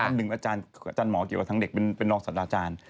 อันหนึ่งอาจารย์หมอเกี่ยวกับทั้งเด็กเป็นรองสัตว์อาจารย์